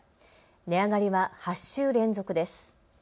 値上がりは８週連続です。